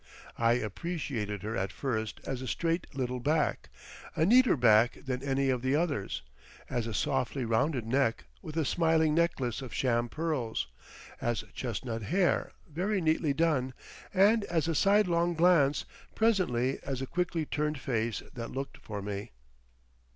I appreciated her at first as a straight little back, a neater back than any of the others; as a softly rounded neck with a smiling necklace of sham pearls; as chestnut hair very neatly done—and as a side long glance; presently as a quickly turned face that looked for me.